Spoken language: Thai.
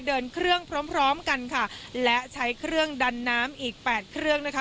เดินเครื่องพร้อมพร้อมกันค่ะและใช้เครื่องดันน้ำอีกแปดเครื่องนะคะ